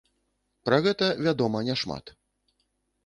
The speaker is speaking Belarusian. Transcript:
Пра гэта вядома няшмат.